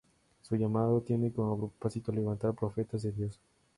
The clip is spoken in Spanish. Su llamado tiene como propósito levantar Profetas de Dios.